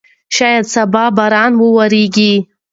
شاید سبا باران وورېږي.